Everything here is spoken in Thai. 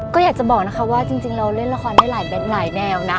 ก็อยากจะบอกนะคะว่าจริงเราเล่นละครได้หลายแนวนะ